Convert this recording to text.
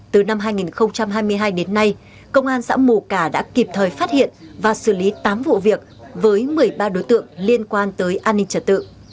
từ năm hai nghìn hai mươi hai đến nay công an xã mù cả đã kịp thời phát hiện và xử lý tám vụ việc với một mươi ba đối tượng liên quan tới an ninh trật tự